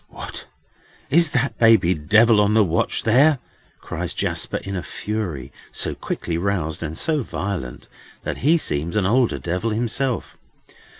"What! Is that baby devil on the watch there!" cries Jasper in a fury: so quickly roused, and so violent, that he seems an older devil himself.